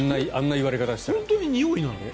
本当ににおいなの？